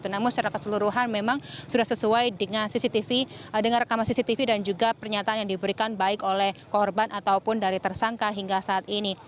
namun secara keseluruhan memang sudah sesuai dengan rekaman cctv dan juga pernyataan yang diberikan baik oleh korban ataupun dari tersangka hingga saat ini